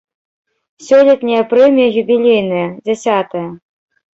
Сёлетняя прэмія юбілейная, дзясятая.